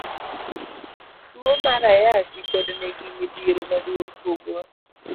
Tuo mara ayaki pod nigi mithiero maduong' kuomwa.